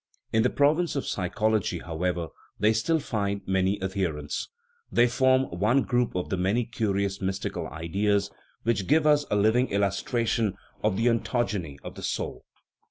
In the province of psychology, however, they still find many adherents ; they form one group of the many curious mystical ideas which give us a living illustration of the ontogeny of the soul.